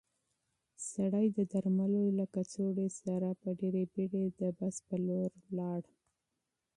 سړی د درملو له کڅوړې سره په ډېرې بیړې د بس لور ته لاړ.